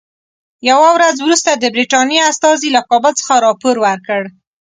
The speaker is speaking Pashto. یوه ورځ وروسته د برټانیې استازي له کابل څخه راپور ورکړ.